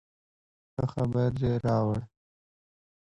ښه خبر دې راوړ